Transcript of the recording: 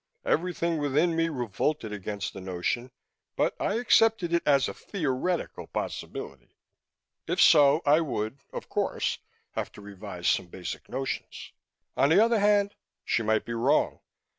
Everything within me revolted against the notion, but I accepted it as a theoretical possibility. If so, I would, of course, have to revise some basic notions. On the other hand, she might be wrong.